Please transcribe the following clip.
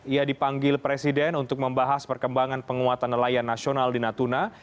ia dipanggil presiden untuk membahas perkembangan penguatan nelayan nasional di natuna